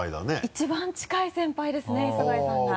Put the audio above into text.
一番近い先輩ですね磯貝さんは。